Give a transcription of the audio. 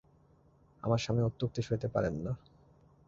আমার স্বামী অত্যুক্তি সইতে পারেন না।